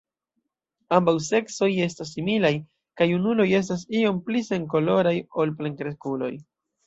Ambaŭ seksoj estas similaj, kaj junuloj estas iom pli senkoloraj ol plenkreskuloj.